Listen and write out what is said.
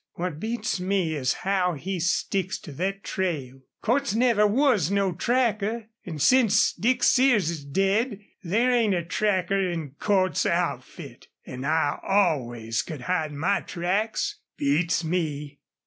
What beats me is how he sticks to thet trail. Cordts never was no tracker. An' since Dick Sears is dead there ain't a tracker in Cordts's outfit. An' I always could hide my tracks.... Beats me!"